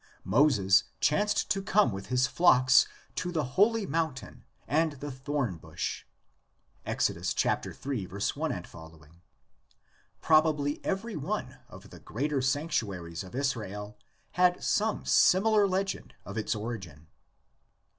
Moses chanced to come with his flocks to the holy mountain and the thornbush (Ex. iii. i ff.). Prob ably every one of the greater sanctuaries of Israel had some similar legend of its origin.